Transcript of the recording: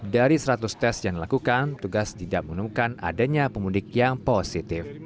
dari seratus tes yang dilakukan tugas tidak menemukan adanya pemudik yang positif